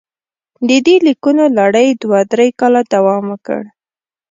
د دې لیکونو لړۍ دوه درې کاله دوام وکړ.